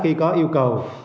khi có yêu cầu